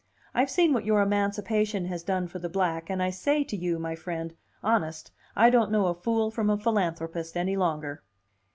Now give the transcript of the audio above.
I've seen what your emancipation has done for the black, and I say to you, my friend, honest I don't know a fool from a philanthropist any longer."